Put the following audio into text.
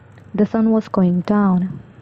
The sun was going down.